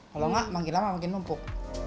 kalau enggak makin lama makin mumpuk